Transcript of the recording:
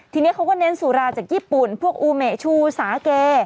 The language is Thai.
ทีนี้เขาก็เน้นสุราจากญี่ปุ่นพวกอูเมชูสาเก